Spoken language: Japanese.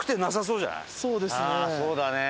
そうですね。